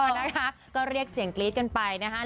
นะคะก็เรียกเสียงกรี๊ดกันไปนะคะ